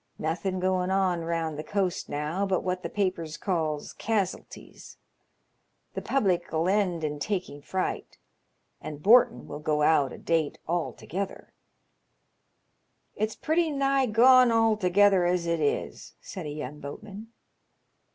Nothen going on round the coast now but what the papers calls cas'alties. The public '11 end in taking fright, and bortin' will go out o' date altogether." "It's pretty nigh gone altogether as it is," said a young boatman.